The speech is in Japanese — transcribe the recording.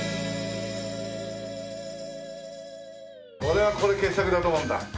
俺はこれ傑作だと思うんだ。